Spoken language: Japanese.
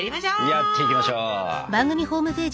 やっていきましょう！